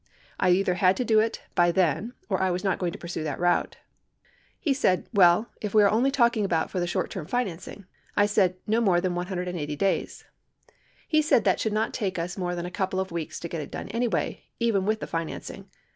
I either had to do it by then or I was not going to pursue that route. He said, well, if we are only talking about for the short term financing. I said, no more than 1 80 days. He said, that should not take us more than a couple of weeks to get it done anyway, even with the financing.